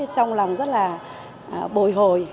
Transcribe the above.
trong lòng rất là bồi hồi